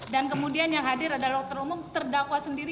dan kemudian yang hadir adalah dokter umum terdakwa sendiri